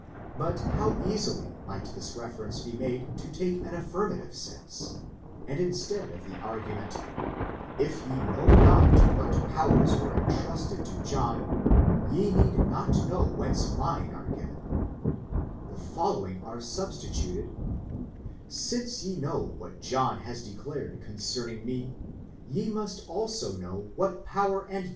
but how easily might this reference be made to take an affirmative sense, and instead of the argument, "1 ye know not what powers were entrusted to John, ye need not know whence mine are given,"—the following be substituted: ''Since ye know what John has declared concerning me, ye must also know what power and 8 Liicke, s. 339. RELATIONS BETWEEN JESUS AND JOHN THE BAPTIST.